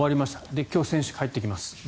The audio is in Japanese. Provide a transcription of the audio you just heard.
で、今日、選手帰ってきます。